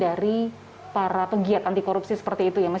dari para pegiat anti korupsi seperti itu ya mas